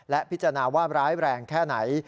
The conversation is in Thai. และพิจารณาว่าร้ายแรงแค่ไหน